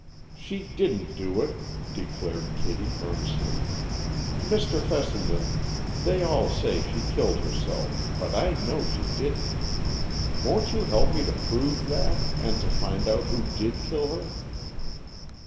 "She didn't do it," declared Kitty earnestly. "Mr. Fessenden, they all say she killed herself, but I know she didn't. Won't you help me to prove that, and to find out who did kill her?"